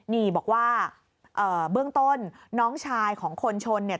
นี่บอกว่าเบื้องต้นน้องชายของคนชนเนี่ย